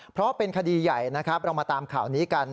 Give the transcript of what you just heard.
เพราะเป็นคดีใหญ่นะครับเรามาตามข่าวนี้กัน